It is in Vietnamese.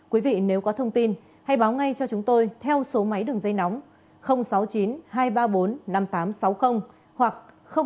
quý vị nếu có thông tin hãy báo ngay cho chúng tôi theo số máy đường dây nóng sáu mươi chín hai trăm ba mươi bốn năm nghìn tám trăm sáu mươi hoặc sáu mươi chín hai trăm ba mươi hai một nghìn sáu trăm